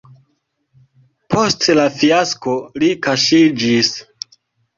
Post la fiasko li kaŝiĝis.